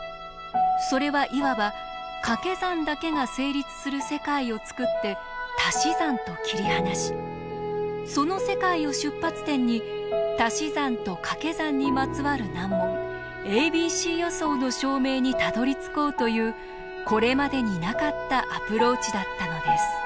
それはいわばかけ算だけが成立する世界を作ってたし算と切り離しその世界を出発点にたし算とかけ算にまつわる難問ａｂｃ予想の証明にたどりつこうというこれまでになかったアプローチだったのです。